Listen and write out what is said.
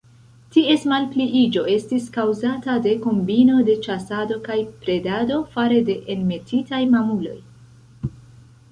Ties malpliiĝo estis kaŭzata de kombino de ĉasado kaj predado fare de enmetitaj mamuloj.